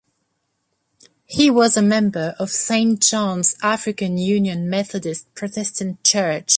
He was a member of Saint John's African Union Methodist Protestant Church.